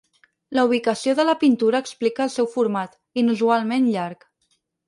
La ubicació de la pintura explica el seu format, inusualment llarg.